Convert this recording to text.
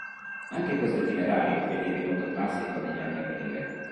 Anche questo itinerario è divenuto classico negli anni a venire.